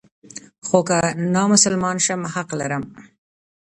خو که زه نامسلمان شم حق لرم.